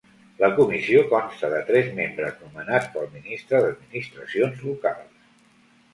La comissió consta de tres membres nomenats pel Ministre d'Administracions Locals.